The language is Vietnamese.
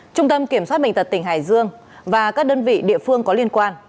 trung tâm kiểm soát bệnh tật tỉnh hải dương và các đơn vị địa phương có liên quan